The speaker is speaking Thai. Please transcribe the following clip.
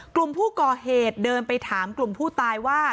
กลุ่มผู้ก่อเหตุเดินไปถามกลุ่มผู้ตายว่า